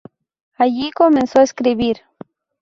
Allí comenzó a escribir.